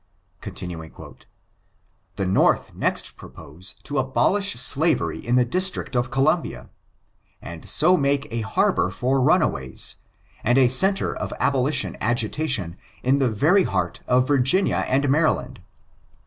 The North next propose to abolish slavery in the District of Columbia, and so make a harbor for run aways, and a centre of abolition agitation in the very heart of Virginia and Maryland.